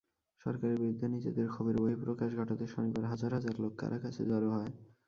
সরকারের বিরুদ্ধে নিজেদের ক্ষোভের বহিঃপ্রকাশ ঘটাতে শনিবার হাজার হাজার লোক কারাকাসে জড়ো হয়।